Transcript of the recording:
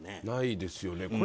ないですよね。